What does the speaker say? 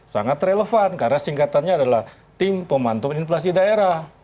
sangat relevan karena singkatannya adalah tim pemantauan inflasi daerah